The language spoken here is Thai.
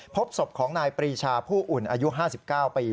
พบศพของนายปรีชาผู้อุ่นอายุ๕๙ปี